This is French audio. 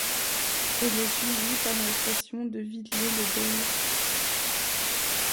Elle est suivie par la station de Villiers-le-Bel.